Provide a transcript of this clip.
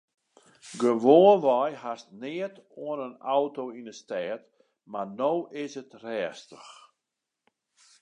Gewoanwei hast neat oan in auto yn 'e stêd mar no is it rêstich.